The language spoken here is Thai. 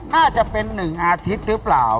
น่าจะเป็น๑อาทิตย์หรือเปล่า